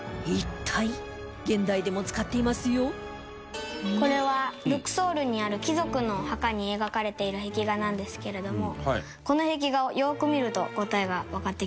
環子ちゃん：これはルクソールにある貴族の墓に描かれている壁画なんですけれどもこの壁画をよく見ると答えがわかってきます。